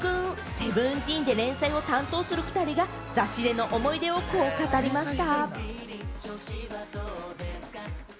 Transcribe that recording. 『Ｓｅｖｅｎｔｅｅｎ』で連載を担当する２人が雑誌での思い出をこう語りました。